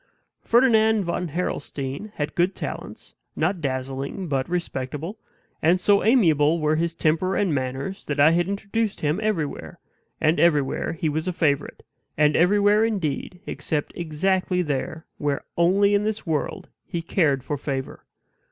Ferdinand von Harrelstein had good talents, not dazzling but respectable; and so amiable were his temper and manners that I had introduced him everywhere, and everywhere he was a favorite; and everywhere, indeed, except exactly there where only in this world he cared for favor.